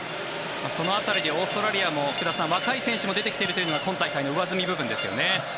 その辺りでオーストラリアも若い選手も出てきているのが今大会の上積み部分ですよね。